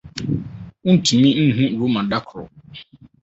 Wontumi nhu Roma da koro.